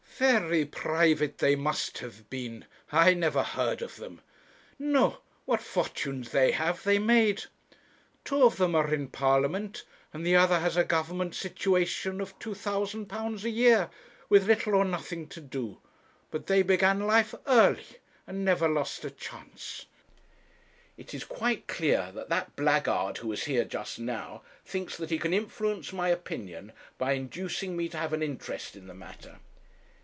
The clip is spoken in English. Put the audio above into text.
'Very private they must have been I never heard of them. No; what fortunes they have they made. Two of them are in Parliament, and the other has a Government situation of £2,000 a year, with little or nothing to do. But they began life early, and never lost a chance.' 'It is quite clear that that blackguard who was here just now thinks that he can influence my opinion by inducing me to have an interest in the matter.'